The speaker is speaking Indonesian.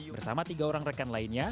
bersama tiga orang rekan lainnya